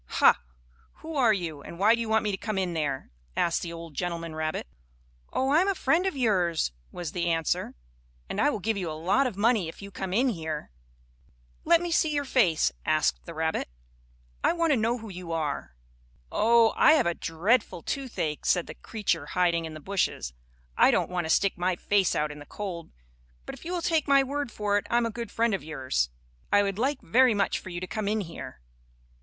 "Ha! Who are you, and why do you want me to come in there?" asked the old gentleman rabbit. "Oh, I am a friend of yours," was the answer, "and I will give you a lot of money if you come in here." "Let me see your face," asked the rabbit, "I want to know who you are." "Oh! I have a dreadful toothache," said the creature hiding in the bushes. "I don't want to stick my face out in the cold. But if you will take my word for it I am a good friend of yours. I would like very much for you to come in here."